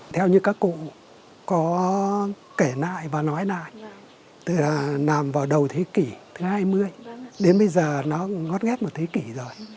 theo như các cụ có kể lại và nói lại nằm vào đầu thế kỷ thứ hai mươi đến bây giờ nó ngót nghét một thế kỷ rồi